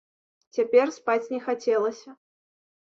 Цяпер спаць не хацелася.